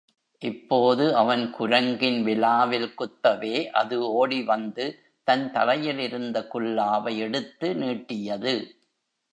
இப்போது அவன் குரங்கின் விலாவில் குத்தவே அது ஓடிவந்து தன் தலையில் இருந்த குல்லாவை எடுத்து நீட்டியது.